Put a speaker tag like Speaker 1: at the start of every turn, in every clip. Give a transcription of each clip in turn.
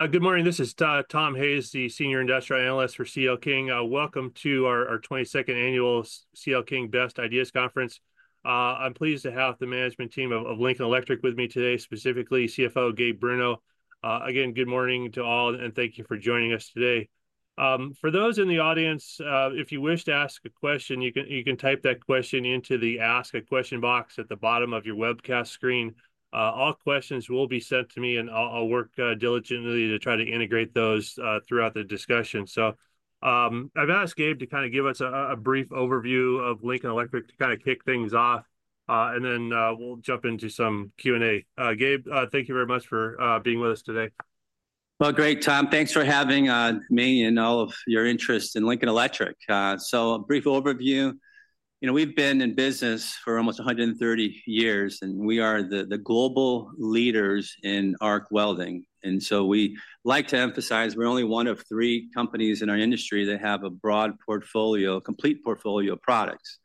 Speaker 1: Good morning, this is Tom Hayes, the senior industrial analyst for CL King. Welcome to our 22nd annual CL King Best Ideas Conference. I'm pleased to have the management team of Lincoln Electric with me today, specifically CFO Gabe Bruno. Again, good morning to all, and thank you for joining us today. For those in the audience, if you wish to ask a question, you can type that question into the Ask a Question box at the bottom of your webcast screen. All questions will be sent to me, and I'll work diligently to try to integrate those throughout the discussion. I've asked Gabe to kind of give us a brief overview of Lincoln Electric to kind of kick things off, and then we'll jump into some Q&A. Gabe, thank you very much for being with us today.
Speaker 2: Great, Tom. Thanks for having me and all of your interest in Lincoln Electric. So a brief overview. You know, we've been in business for almost 130 years, and we are the global leaders in arc welding. And so we like to emphasize we're only one of three companies in our industry that have a broad portfolio, complete portfolio of products.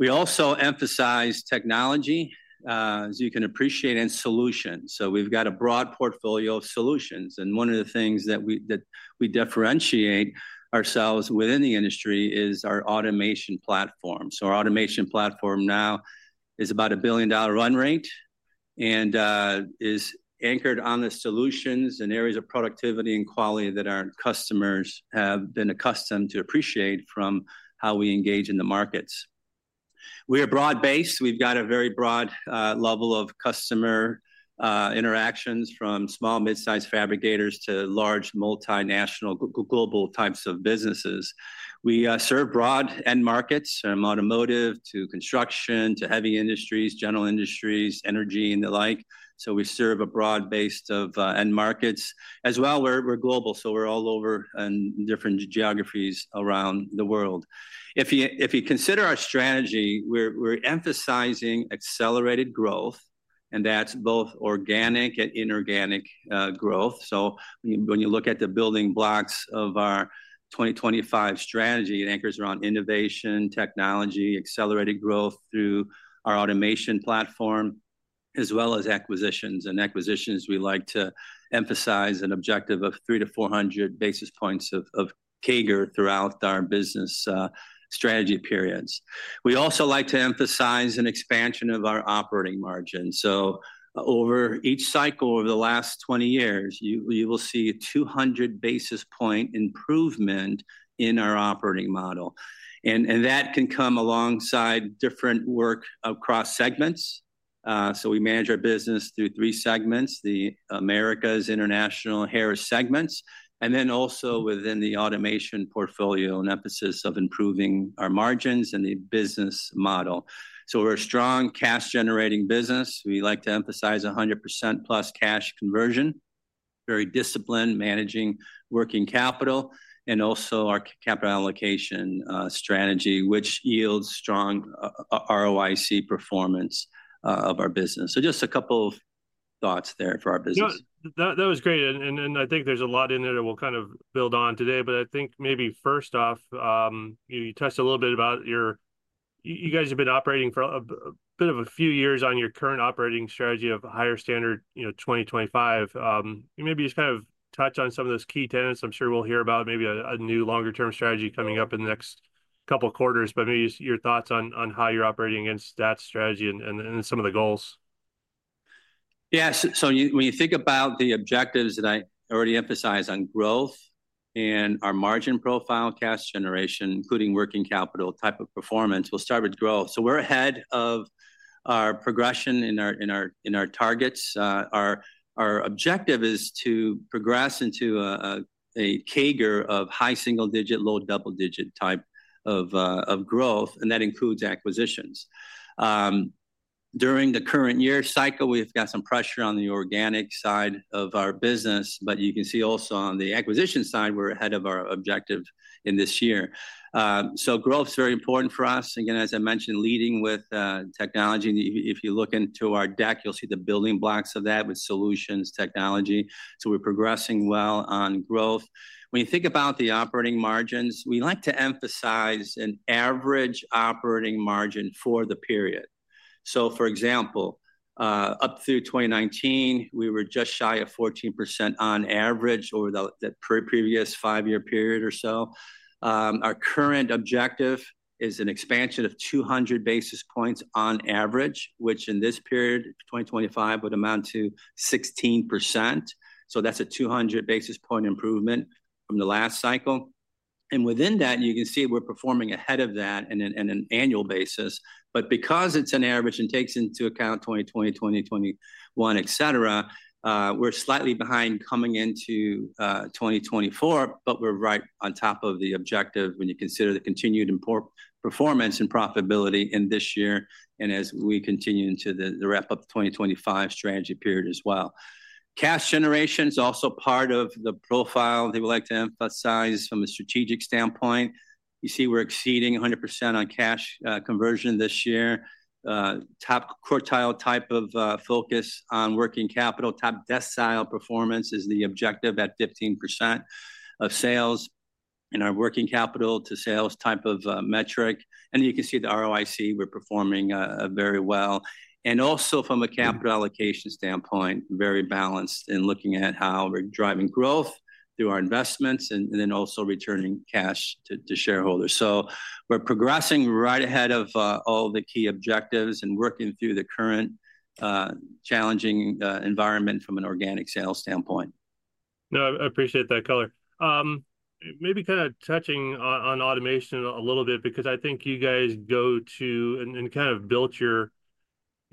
Speaker 2: We also emphasize technology, as you can appreciate, and solutions, so we've got a broad portfolio of solutions. And one of the things that we differentiate ourselves within the industry is our automation platform. So our automation platform now is about a $1 billion run rate and is anchored on the solutions and areas of productivity and quality that our customers have been accustomed to appreciate from how we engage in the markets. We are broad-based. We've got a very broad level of customer interactions, from small mid-sized fabricators to large, multinational global types of businesses. We serve broad end markets, from automotive to construction to heavy industries, general industries, energy, and the like, so we serve a broad base of end markets. As well, we're global, so we're all over in different geographies around the world. If you consider our strategy, we're emphasizing accelerated growth, and that's both organic and inorganic growth, so when you look at the building blocks of our 2025 strategy, it anchors around innovation, technology, accelerated growth through our automation platform, as well as acquisitions and acquisitions, we like to emphasize an objective of 300-400 basis points of CAGR throughout our business strategy periods. We also like to emphasize an expansion of our operating margin. So over each cycle over the last 20 years, you will see a 200 basis point improvement in our operating model, and that can come alongside different work across segments. So we manage our business through three segments, the Americas, International, and Harris segments, and then also within the automation portfolio, an emphasis of improving our margins and the business model. So we're a strong, cash-generating business. We like to emphasize 100% plus cash conversion, very disciplined, managing working capital, and also our capital allocation strategy, which yields strong ROIC performance of our business. So just a couple of thoughts there for our business.
Speaker 1: No, that was great, and I think there's a lot in there that we'll kind of build on today. But I think maybe first off, you touched a little bit about your... you guys have been operating for a bit of a few years on your current operating strategy of a higher standard, you know, 2025. Maybe just kind of touch on some of those key tenets. I'm sure we'll hear about maybe a new longer-term strategy coming up in the next couple quarters, but maybe just your thoughts on how you're operating against that strategy and some of the goals.
Speaker 2: Yeah, so you, when you think about the objectives that I already emphasized on growth and our margin profile, cash generation, including working capital type of performance, we'll start with growth. So we're ahead of our progression in our targets. Our objective is to progress into a CAGR of high single digit, low double digit type of growth, and that includes acquisitions. During the current year cycle, we've got some pressure on the organic side of our business, but you can see also on the acquisition side, we're ahead of our objective in this year. So growth's very important for us. Again, as I mentioned, leading with technology, and if you look into our deck, you'll see the building blocks of that with solutions technology. So we're progressing well on growth. When you think about the operating margins, we like to emphasize an average operating margin for the period. So, for example, up through 2019, we were just shy of 14% on average over the previous five-year period or so. Our current objective is an expansion of 200 basis points on average, which in this period, 2025, would amount to 16%, so that's a 200 basis point improvement from the last cycle. And within that, you can see we're performing ahead of that in an annual basis. But because it's an average and takes into account 2020, 2021, et cetera, we're slightly behind coming into 2024, but we're right on top of the objective when you consider the continued important performance and profitability in this year and as we continue into the wrap-up 2025 strategy period as well. Cash generation is also part of the profile that we like to emphasize from a strategic standpoint. You see, we're exceeding 100% on cash conversion this year. Top quartile type of focus on working capital. Top decile performance is the objective at 15% of sales in our working capital to sales type of metric, and you can see the ROIC. We're performing very well. And also from a capital allocation standpoint, very balanced in looking at how we're driving growth through our investments, and then also returning cash to shareholders. So we're progressing right ahead of all the key objectives and working through the current challenging environment from an organic sales standpoint.
Speaker 1: No, I appreciate that color. Maybe kind of touching on automation a little bit, because I think you guys got to and kind of built your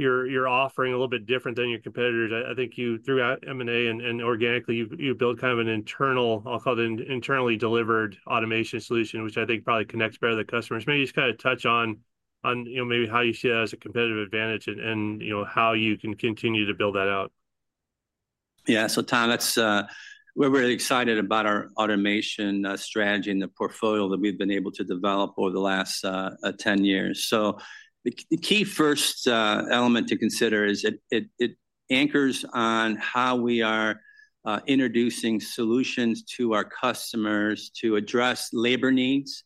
Speaker 1: offering a little bit different than your competitors. I think you throughout M&A and organically you built kind of an internal, I'll call it internally delivered automation solution, which I think probably connects better to customers. Maybe just kind of touch on you know, maybe how you see that as a competitive advantage and you know, how you can continue to build that out.
Speaker 2: Yeah. So, Tom, that's, we're really excited about our automation, strategy and the portfolio that we've been able to develop over the last, 10 years. So the key first element to consider is it anchors on how we are, introducing solutions to our customers to address labor needs,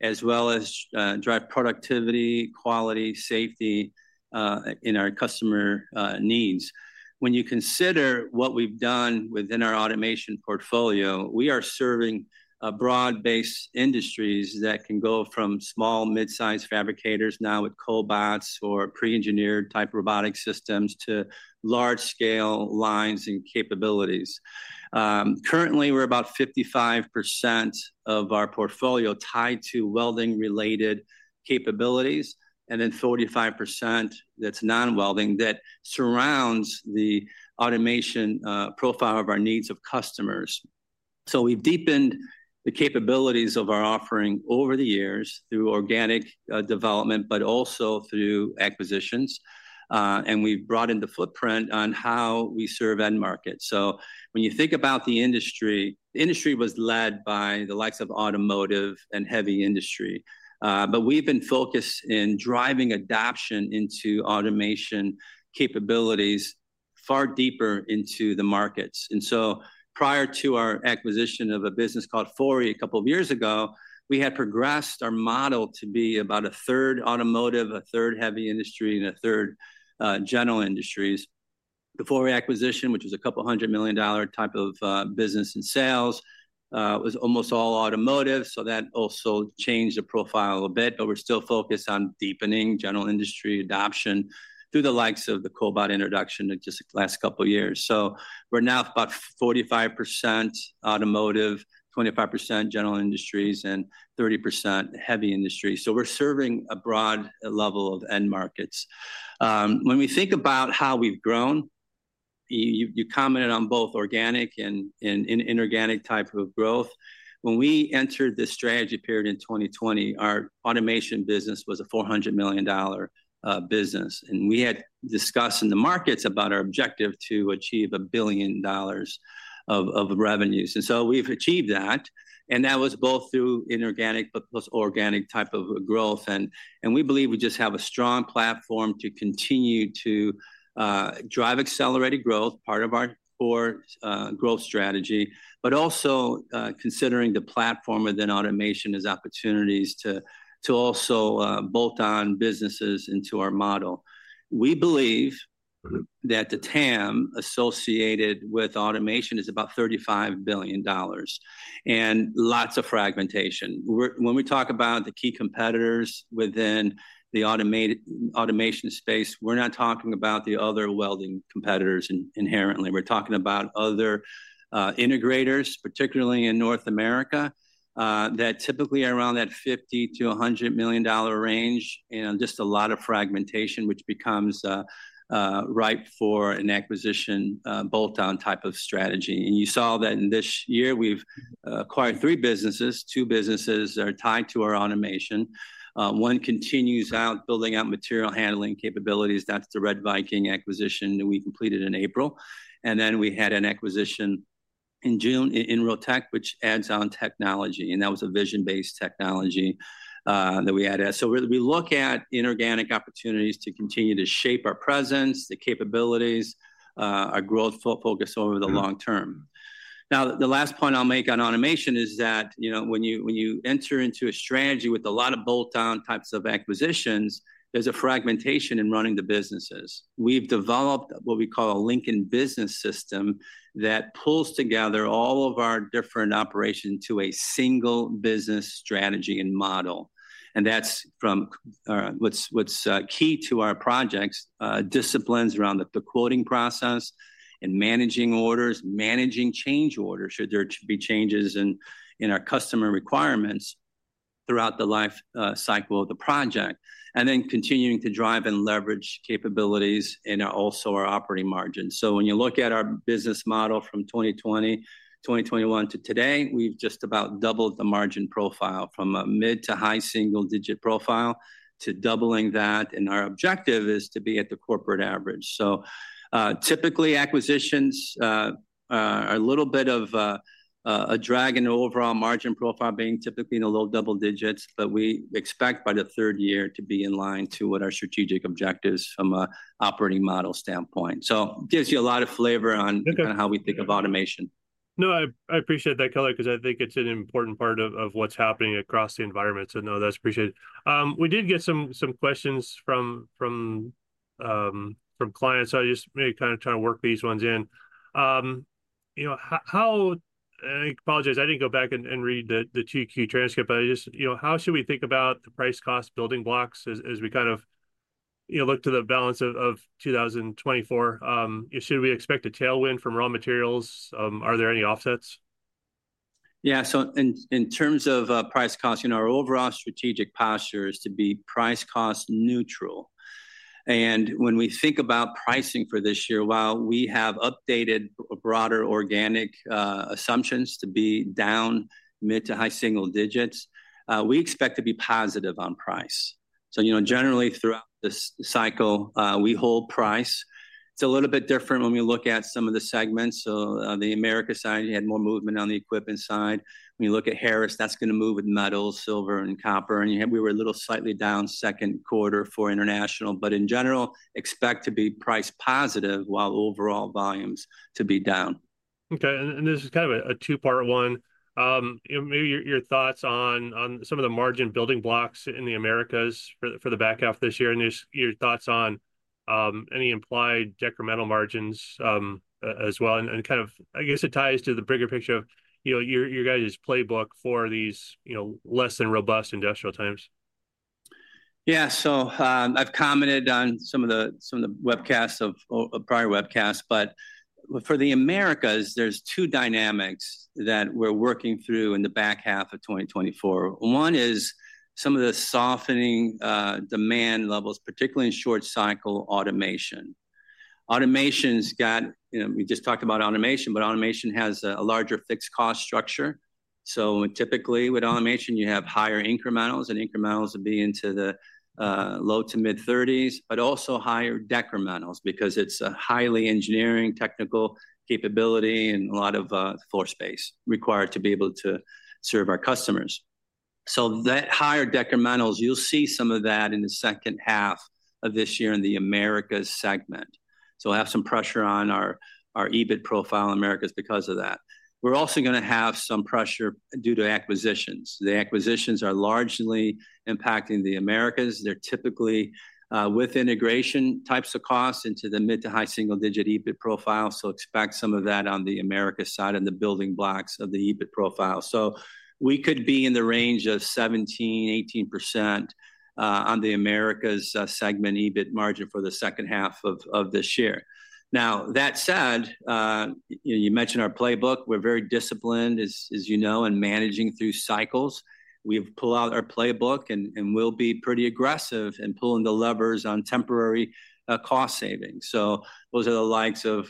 Speaker 2: as well as, drive productivity, quality, safety, in our customer, needs. When you consider what we've done within our automation portfolio, we are serving a broad-based industries that can go from small, mid-sized fabricators, now with cobots or pre-engineered type robotic systems, to large-scale lines and capabilities. Currently, we're about 55% of our portfolio tied to welding-related capabilities, and then 35% that's non-welding, that surrounds the automation, profile of our needs of customers. So we've deepened the capabilities of our offering over the years through organic, development, but also through acquisitions, and we've broadened the footprint on how we serve end markets. So when you think about the industry, the industry was led by the likes of automotive and heavy industry, but we've been focused in driving adoption into automation capabilities far deeper into the markets. And so prior to our acquisition of a business called Fori a couple of years ago, we had progressed our model to be about a third automotive, a third heavy industry, and a third, general industries. The Fori acquisition, which was a $200 million type of business in sales, was almost all automotive, so that also changed the profile a bit, but we're still focused on deepening general industry adoption through the likes of the cobot introduction in just the last couple of years. We're now about 45% automotive, 25% general industries, and 30% heavy industry. We're serving a broad level of end markets. When we think about how we've grown, you commented on both organic and inorganic type of growth. When we entered this strategy period in 2020, our automation business was a $400 million business, and we had discussed in the markets about our objective to achieve $1 billion of revenues. And so we've achieved that, and that was both through inorganic, but plus organic type of growth. And we believe we just have a strong platform to continue to drive accelerated growth, part of our core growth strategy, but also considering the platform within automation as opportunities to also bolt on businesses into our model. We believe that the TAM associated with automation is about $35 billion, and lots of fragmentation. When we talk about the key competitors within the automation space, we're not talking about the other welding competitors inherently. We're talking about other integrators, particularly in North America, that typically are around that $50 million-$100 million range, and just a lot of fragmentation, which becomes ripe for an acquisition bolt-on type of strategy. You saw that in this year, we've acquired three businesses. Two businesses are tied to our automation. One continues, building out material handling capabilities. That's the RedViking acquisition that we completed in April. Then we had an acquisition in June, Inrotech, which adds on technology, and that was a vision-based technology that we added. We look at inorganic opportunities to continue to shape our presence, the capabilities, our growth focus over the long term. The last point I'll make on automation is that, you know, when you enter into a strategy with a lot of bolt-on types of acquisitions, there's a fragmentation in running the businesses. We've developed what we call a Lincoln Business System that pulls together all of our different operations to a single business strategy and model. And that's what's key to our projects disciplines around the quoting process and managing orders, managing change orders, should there be changes in our customer requirements throughout the life cycle of the project, and then continuing to drive and leverage capabilities in also our operating margins. So when you look at our business model from 2020, 2021 to today, we've just about doubled the margin profile from a mid to high single-digit profile to doubling that, and our objective is to be at the corporate average. So, typically, acquisitions are a little bit of a drag in overall margin profile, being typically in the low double digits, but we expect by the third year to be in line to what our strategic objective is from a operating model standpoint. So gives you a lot of flavor on
Speaker 1: Okay
Speaker 2: kind of how we think of automation.
Speaker 1: No, I appreciate that, Keller, 'cause I think it's an important part of what's happening across the environment, so, no, that's appreciated. We did get some questions from clients. I just maybe kinda trying to work these ones in. You know, how. And I apologize, I didn't go back and read the 2Q transcript, but I just, you know, how should we think about the price cost building blocks as we kind of, you know, look to the balance of 2024? Should we expect a tailwind from raw materials? Are there any offsets?
Speaker 2: Yeah, so in terms of price cost, you know, our overall strategic posture is to be price-cost neutral. And when we think about pricing for this year, while we have updated broader organic assumptions to be down mid to high single digits, we expect to be positive on price. So, you know, generally throughout this cycle, we hold price. It's a little bit different when we look at some of the segments. So on the America side, you had more movement on the equipment side. When you look at Harris, that's gonna move with metal, silver, and copper, and we were a little slightly down Q2 for international. But in general, expect to be price positive, while overall volumes to be down.
Speaker 1: Okay, and this is kind of a two-part one. You know, maybe your thoughts on some of the margin building blocks in the Americas for the back half of this year, and just your thoughts on any implied decremental margins as well. And kind of, I guess it ties to the bigger picture of, you know, your guys' playbook for these, you know, less-than-robust industrial times.
Speaker 2: Yeah, so, I've commented on some of the webcasts of prior webcasts, but for the Americas, there's two dynamics that we're working through in the back half of 2024. One is some of the softening demand levels, particularly in short-cycle automation. Automation's got. You know, we just talked about automation, but automation has a larger fixed cost structure. So typically, with automation, you have higher incrementals, and incrementals would be into the low to mid-30s, but also higher decrementals, because it's a highly engineering, technical capability, and a lot of floor space required to be able to serve our customers. So that higher decrementals, you'll see some of that in the second half of this year in the Americas segment, so we'll have some pressure on our EBIT profile in Americas because of that. We're also gonna have some pressure due to acquisitions. The acquisitions are largely impacting the Americas. They're typically with integration types of costs into the mid- to high single-digit EBIT profile, so expect some of that on the Americas side and the building blocks of the EBIT profile. So we could be in the range of 17%-18% on the Americas segment EBIT margin for the second half of this year. Now, that said, you mentioned our playbook. We're very disciplined, as you know, in managing through cycles. We've pulled out our playbook, and we'll be pretty aggressive in pulling the levers on temporary cost savings. So those are the likes of,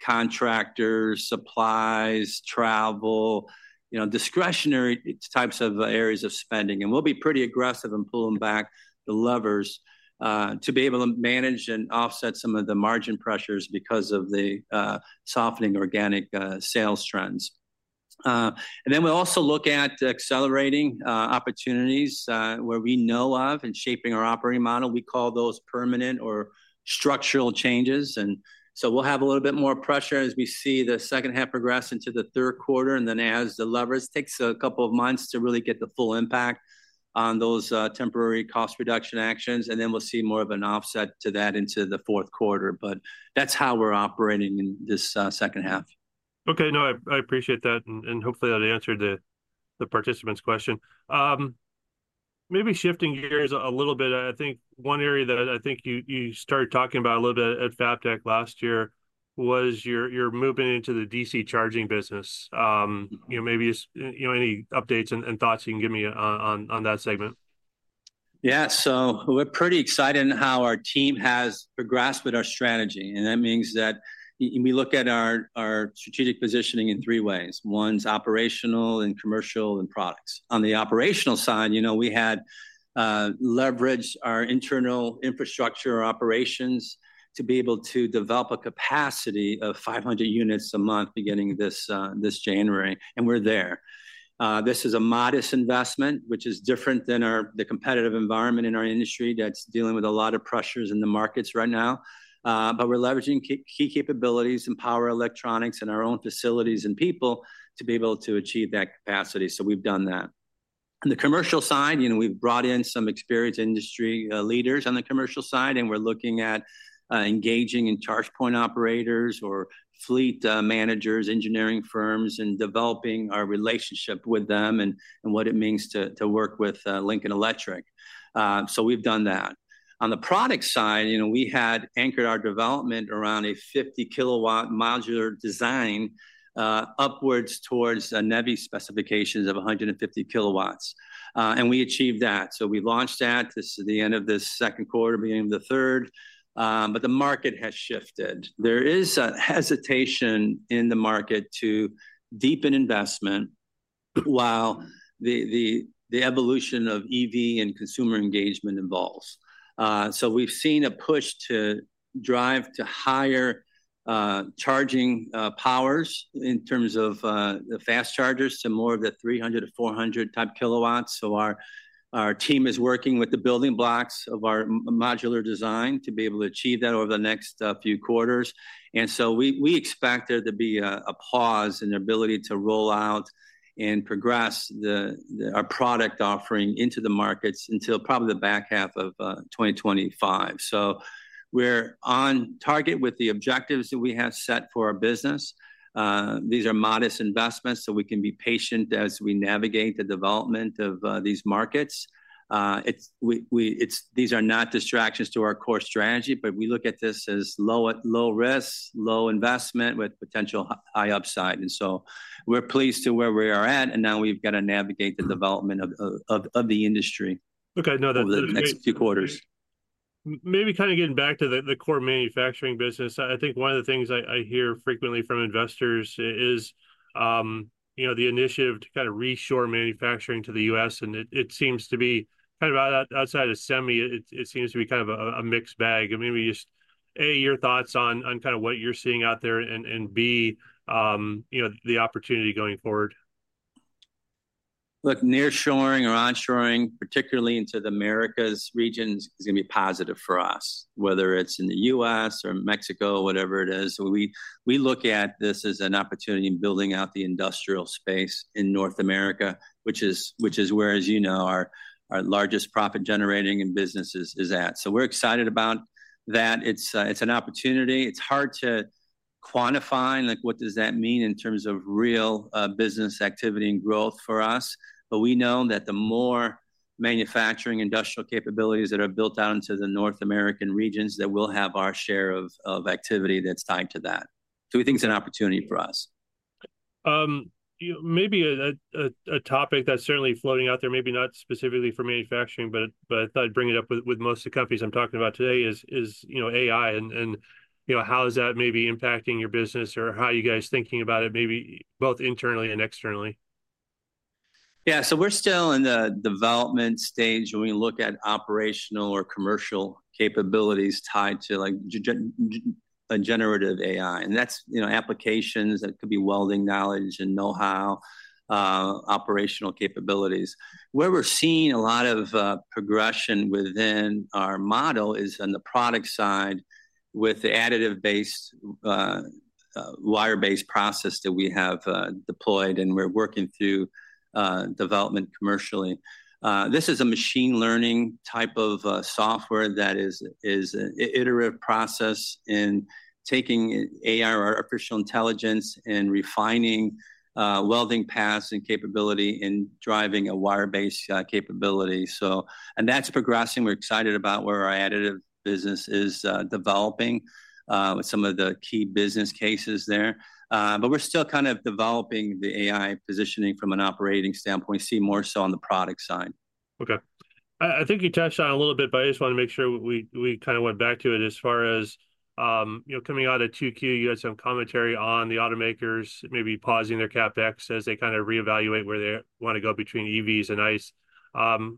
Speaker 2: contractors, supplies, travel, you know, discretionary types of areas of spending, and we'll be pretty aggressive in pulling back the levers, to be able to manage and offset some of the margin pressures because of the, softening organic, sales trends. And then we also look at accelerating, opportunities, where we know of in shaping our operating model. We call those permanent or structural changes, and so we'll have a little bit more pressure as we see the second half progress into the Q3, and then as the levers take a couple of months to really get the full impact on those, temporary cost reduction actions, and then we'll see more of an offset to that into the Q4. But that's how we're operating in this, second half.
Speaker 1: Okay, no, I appreciate that, and hopefully that answered the participant's question. Maybe shifting gears a little bit, I think one area that I think you started talking about a little bit at Fabtech last year was you're moving into the DC charging business. You know, maybe just you know, any updates and thoughts you can give me on that segment?
Speaker 2: Yeah, so we're pretty excited in how our team has progressed with our strategy, and that means that we look at our, our strategic positioning in three ways. One's operational, and commercial, and products. On the operational side, you know, we had leveraged our internal infrastructure operations to be able to develop a capacity of 500 units a month, beginning this January, and we're there. This is a modest investment, which is different than our competitive environment in our industry that's dealing with a lot of pressures in the markets right now. But we're leveraging key capabilities and power electronics in our own facilities and people to be able to achieve that capacity, so we've done that. On the commercial side, you know, we've brought in some experienced industry leaders on the commercial side, and we're looking at engaging in charge point operators or fleet managers, engineering firms, and developing our relationship with them, and what it means to work with Lincoln Electric. So we've done that. On the product side, you know, we had anchored our development around a 50-kilowatt modular design upwards towards the NEVI specifications of 150 kilowatts, and we achieved that. So we launched that. This is the end of this Q2, beginning of the third, but the market has shifted. There is a hesitation in the market to deepen investment while the evolution of EV and consumer engagement evolves. So we've seen a push to drive to higher. Charging powers in terms of the fast chargers to more of the 300-400 type kW. Our team is working with the building blocks of our modular design to be able to achieve that over the next few quarters. We expect there to be a pause in their ability to roll out and progress our product offering into the markets until probably the back half of 2025. We're on target with the objectives that we have set for our business. These are modest investments, so we can be patient as we navigate the development of these markets. These are not distractions to our core strategy, but we look at this as low risk, low investment, with potential high upside. And so we're pleased with where we are at, and now we've got to navigate the development of the industry.
Speaker 1: Okay, no, that's great.
Speaker 2: Over the next few quarters.
Speaker 1: Maybe kind of getting back to the core manufacturing business, I think one of the things I hear frequently from investors is, you know, the initiative to kind of reshore manufacturing to the US, and it seems to be kind of outside of semi, it seems to be kind of a mixed bag. I mean, maybe just A, your thoughts on kind of what you're seeing out there, and B, you know, the opportunity going forward.
Speaker 2: Look, nearshoring or onshoring, particularly into the Americas regions, is going to be positive for us, whether it's in the US or Mexico, whatever it is. So we look at this as an opportunity in building out the industrial space in North America, which is where, as you know, our largest profit-generating in businesses is at. So we're excited about that. It's an opportunity. It's hard to quantify, like, what does that mean in terms of real business activity and growth for us? But we know that the more manufacturing industrial capabilities that are built out into the North American regions, that we'll have our share of activity that's tied to that. So we think it's an opportunity for us.
Speaker 1: You know, maybe a topic that's certainly floating out there, maybe not specifically for manufacturing, but I thought I'd bring it up with most of the companies I'm talking about today is, you know, AI, and you know, how is that maybe impacting your business, or how are you guys thinking about it, maybe both internally and externally?
Speaker 2: Yeah, so we're still in the development stage when we look at operational or commercial capabilities tied to, like, generative AI. And that's, you know, applications that could be welding knowledge and know-how, operational capabilities. Where we're seeing a lot of progression within our model is on the product side with the additive-based wire-based process that we have deployed, and we're working through development commercially. This is a machine learning type of software that is an iterative process in taking AI, or Artificial Intelligence, and refining welding paths and capability in driving a wire-based capability. So and that's progressing. We're excited about where our additive business is developing with some of the key business cases there. But we're still kind of developing the AI positioning from an operating standpoint. We see more so on the product side.
Speaker 1: Okay. I, I think you touched on it a little bit, but I just wanted to make sure we, we kind of went back to it as far as, you know, coming out of 2Q, you had some commentary on the automakers maybe pausing their CapEx as they kind of reevaluate where they want to go between EVs and ICE.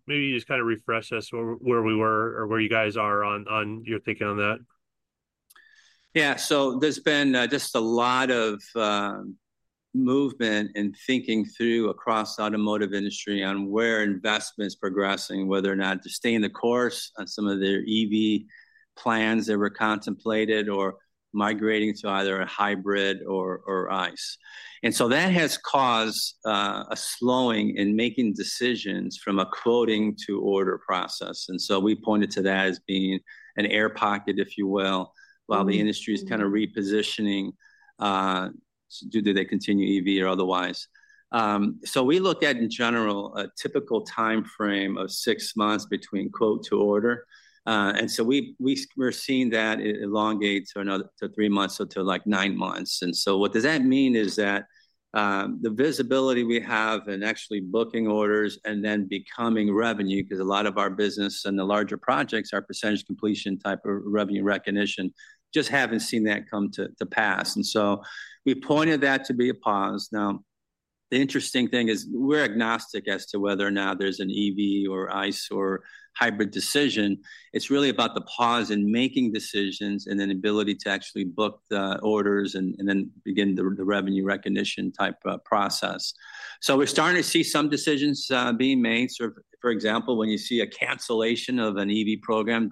Speaker 1: Maybe just kind of refresh us where, where we were or where you guys are on, on your thinking on that.
Speaker 2: Yeah, so there's been just a lot of movement and thinking through across the automotive industry on where investment's progressing, whether or not to stay the course on some of their EV plans that were contemplated or migrating to either a hybrid or ICE. And so that has caused a slowing in making decisions from a quoting to order process, and so we pointed to that as being an air pocket, if you will. While the industry is kind of repositioning, do they continue EV or otherwise? So we look at, in general, a typical timeframe of six months between quote to order. And so we're seeing that it elongates another to three months, so to, like, nine months. And so what does that mean is that, the visibility we have in actually booking orders and then becoming revenue, because a lot of our business and the larger projects are percentage completion type of revenue recognition, just haven't seen that come to pass, and so we pointed that to be a pause. Now, the interesting thing is we're agnostic as to whether or not there's an EV, or ICE, or hybrid decision. It's really about the pause in making decisions and then ability to actually book the orders and then begin the revenue recognition type of process. We're starting to see some decisions being made. For example, when you see a cancellation of an EV program,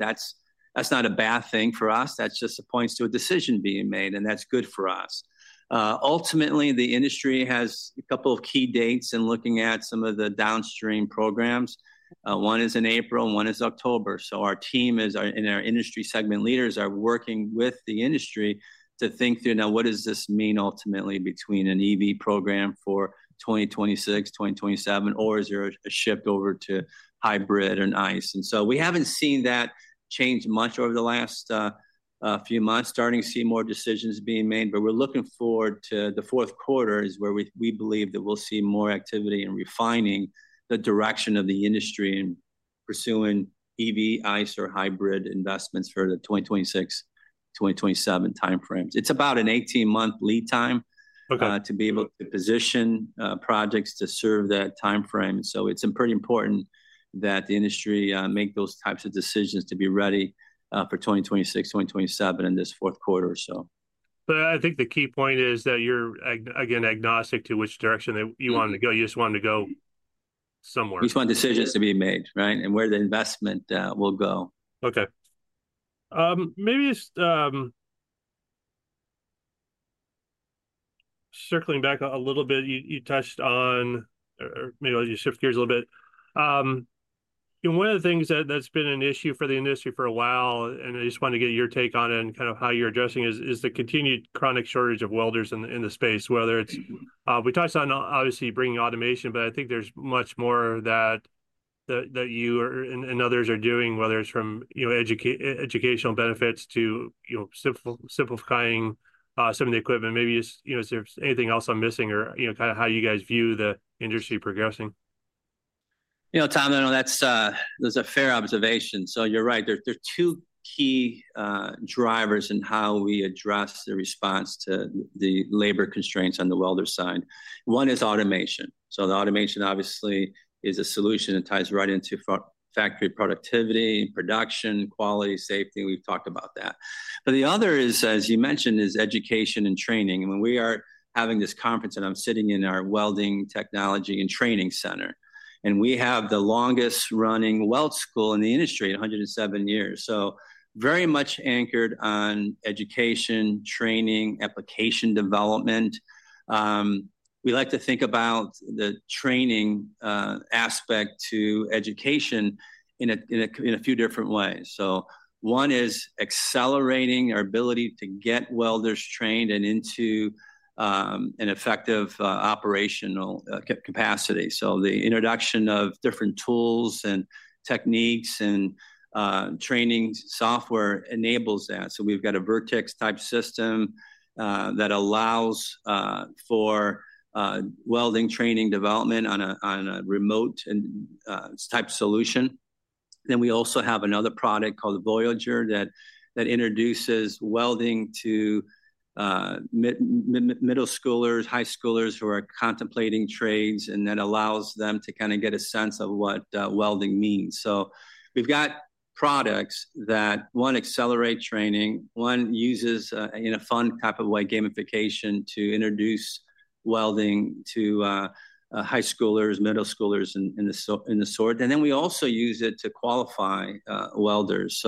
Speaker 2: that's not a bad thing for us. That just points to a decision being made, and that's good for us. Ultimately, the industry has a couple of key dates in looking at some of the downstream programs. One is in April, and one is October. Our team is and our industry segment leaders are working with the industry to think through now what does this mean ultimately between an EV program for 2026, 2027, or is there a shift over to hybrid or ICE? And so we haven't seen that change much over the last few months. Starting to see more decisions being made, but we're looking forward to the Q4 is where we believe that we'll see more activity in refining the direction of the industry in pursuing EV, ICE, or hybrid investments for the 2026, 2027 timeframes. It's about an 18-month lead time to be able to position projects to serve that timeframe. So it's pretty important that the industry make those types of decisions to be ready for 2026, 2027 in this Q4 or so.
Speaker 1: But I think the key point is that you're again, agnostic to which direction that you wanted to go. You just wanted to go somewhere.
Speaker 2: We just want decisions to be made, right? And where the investment will go.
Speaker 1: Okay. Maybe just circling back a little bit, you touched on, or maybe I'll just shift gears a little bit, and one of the things that's been an issue for the industry for a while, and I just wanted to get your take on it and kind of how you're addressing it, is the continued chronic shortage of welders in the space, whether it's. We touched on obviously bringing automation, but I think there's much more that you are, and others are doing, whether it's from, you know, educational benefits to, you know, simplifying some of the equipment. Maybe it's, you know, is there anything else I'm missing or, you know, kind of how you guys view the industry progressing?
Speaker 2: You know, Tom, I know that's a fair observation. So you're right. There are two key drivers in how we address the response to the labor constraints on the welder side. One is automation. So the automation obviously is a solution that ties right into factory productivity, production, quality, safety, and we've talked about that. But the other is, as you mentioned, is education and training. And when we are having this conference, and I'm sitting in our welding technology and training center, and we have the longest-running weld school in the industry, 107 years. So very much anchored on education, training, application development. We like to think about the training aspect to education in a few different ways. So one is accelerating our ability to get welders trained and into an effective operational capacity. The introduction of different tools and techniques and training software enables that. We've got a VRTEX-type system that allows for welding training development on a remote and type solution. Then we also have another product called Voyage Arc that introduces welding to middle schoolers, high schoolers who are contemplating trades, and that allows them to kind of get a sense of what welding means. We've got products that one accelerate training, one uses in a fun type of way, gamification to introduce welding to high schoolers, middle schoolers, and so on and sort. We also use it to qualify welders.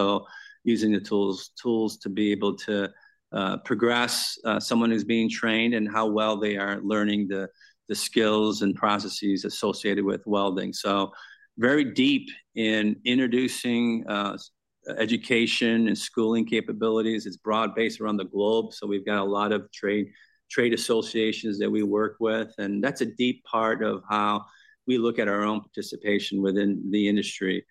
Speaker 2: Using the tools to be able to progress someone who's being trained and how well they are learning the skills and processes associated with welding. Very deep in introducing education and schooling capabilities. It's broad-based around the globe, so we've got a lot of trade associations that we work with, and that's a deep part of how we look at our own participation within the industry.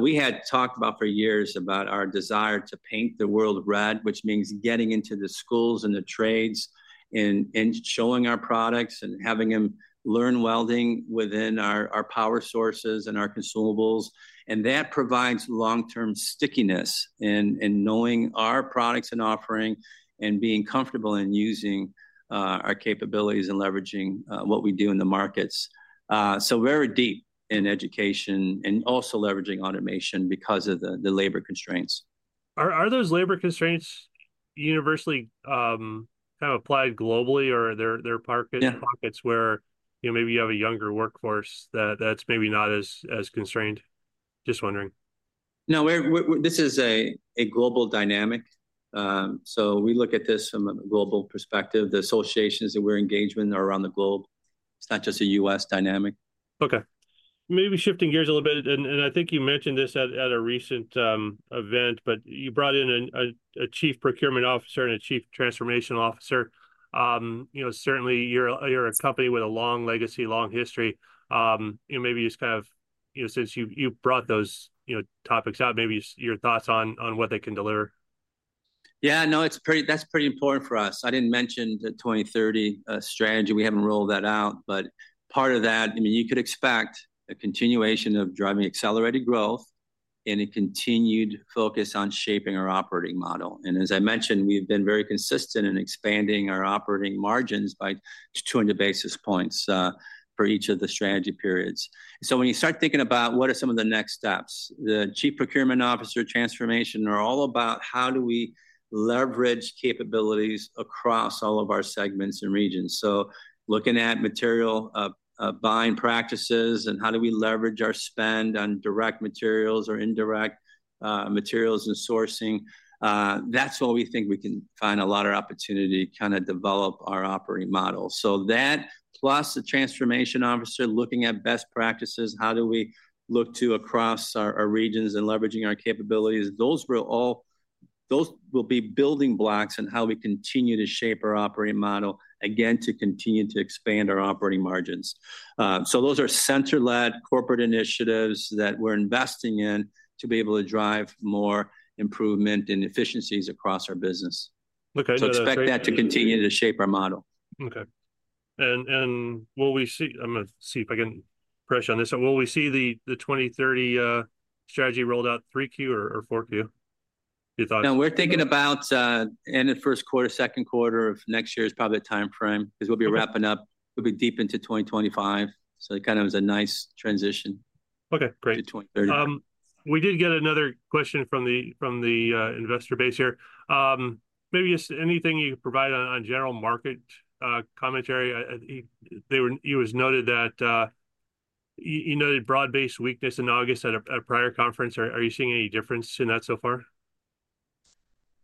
Speaker 2: We had talked about for years about our desire to paint the world red, which means getting into the schools and the trades, and showing our products, and having them learn welding within our power sources and our consumables. That provides long-term stickiness in knowing our products and offering, and being comfortable in using our capabilities and leveraging what we do in the markets. Very deep in education and also leveraging automation because of the labor constraints.
Speaker 1: Are those labor constraints universally kind of applied globally, or there are pockets.
Speaker 2: Yeah
Speaker 1: Pockets where, you know, maybe you have a younger workforce that's maybe not as constrained? Just wondering.
Speaker 2: No, we're this is a global dynamic. So we look at this from a global perspective. The associations that we're engaged in are around the globe. It's not just a US dynamic.
Speaker 1: Okay. Maybe shifting gears a little bit, and I think you mentioned this at a recent event, but you brought in a chief procurement officer and a chief transformation officer. You know, certainly you're a company with a long legacy, long history. You know, maybe just kind of, you know, since you brought those, you know, topics out, maybe your thoughts on what they can deliver.
Speaker 2: Yeah, no, it's pretty, that's pretty important for us. I didn't mention the 2030 strategy. We haven't rolled that out. But part of that, I mean, you could expect a continuation of driving accelerated growth and a continued focus on shaping our operating model. And as I mentioned, we've been very consistent in expanding our operating margins by 200 basis points for each of the strategy periods. So when you start thinking about what are some of the next steps, the Chief Procurement Officer transformation are all about how do we leverage capabilities across all of our segments and regions? So looking at material buying practices, and how do we leverage our spend on direct materials or indirect materials and sourcing, that's where we think we can find a lot of opportunity to kind of develop our operating model. So that, plus the transformation officer looking at best practices, how do we look to across our regions and leveraging our capabilities, those will be building blocks on how we continue to shape our operating model, again, to continue to expand our operating margins. So those are center-led corporate initiatives that we're investing in to be able to drive more improvement and efficiencies across our business.
Speaker 1: Okay, yeah, that.
Speaker 2: So expect that to continue to shape our model.
Speaker 1: Okay. And will we see. I'm gonna see if I can press you on this. Will we see the 2030 strategy rolled out three Q or four Q?
Speaker 2: No, we're thinking about end of Q1, Q2 of next year is probably the timeframe, 'cause we'll be wrapping up. We'll be deep into 2025, so it kind of is a nice transition.
Speaker 1: Okay, great.
Speaker 2: To '23.
Speaker 1: We did get another question from the investor base here. Maybe just anything you can provide on general market commentary. It was noted that you noted broad-based weakness in August at a prior conference. Are you seeing any difference in that so far?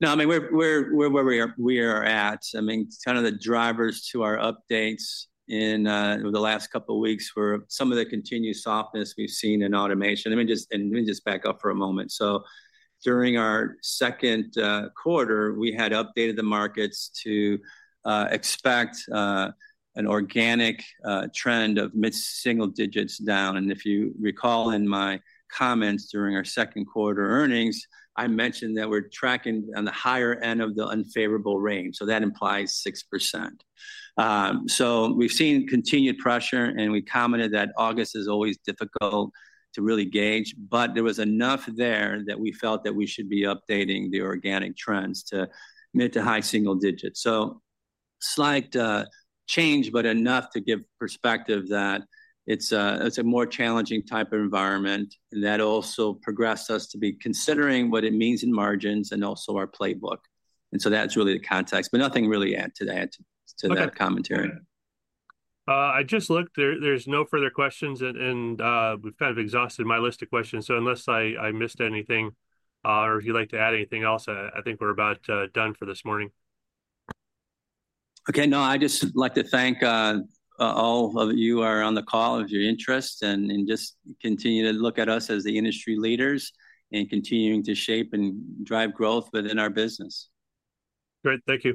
Speaker 2: No, I mean, we're where we are, we are at. I mean, kind of the drivers to our updates in over the last couple of weeks were some of the continued softness we've seen in automation. Let me just back up for a moment, so during our Q2, we had updated the markets to expect an organic trend of mid-single digits down, and if you recall in my comments during our Q2 earnings, I mentioned that we're tracking on the higher end of the unfavorable range, so that implies 6%, so we've seen continued pressure, and we commented that August is always difficult to really gauge, but there was enough there that we felt that we should be updating the organic trends to mid to high single digits. So slight change, but enough to give perspective that it's a more challenging type of environment, and that also progressed us to be considering what it means in margins and also our playbook. And so that's really the context, but nothing really to add to that commentary.
Speaker 1: Okay. I just looked, there, there's no further questions, and we've kind of exhausted my list of questions. So unless I missed anything, or if you'd like to add anything else, I think we're about done for this morning.
Speaker 2: Okay. No, I'd just like to thank all of you who are on the call for your interest and just continue to look at us as the industry leaders in continuing to shape and drive growth within our business.
Speaker 1: Great. Thank you.